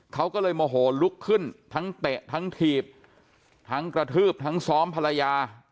เขาก็เลยโมโหลุกขึ้นทั้งเตะทั้งถีบทั้งกระทืบทั้งซ้อมภรรยา